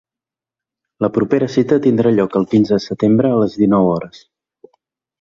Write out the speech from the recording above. La propera cita tindrà lloc el quinze de setembre a les dinou hores.